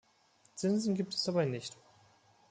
Zinsen gibt es dabei nicht.